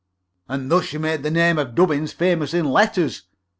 '" "And thus you made the name of Dubbins famous in letters!"